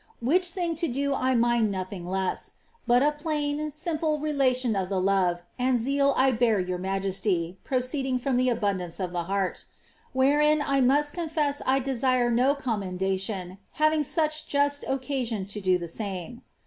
Which tiling to do I mind nothing e*s— but a plain, simple relation of tlie love and zeal I bear your majesty, pro eetling from tlie abundance of the hearL Wherein 1 must confess I desire no oram(*ndation, having such just occasion to do the same.